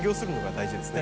大事ですね。